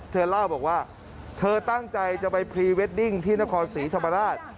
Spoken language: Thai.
เธอเล่าบอกว่าเธอตั้งใจจะไปพรีเวดดิ้งที่นครศรีธรรมราช